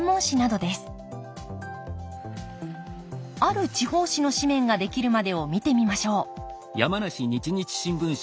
ある地方紙の紙面が出来るまでを見てみましょう